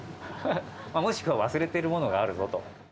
もしくは忘れてるものがあるぞと。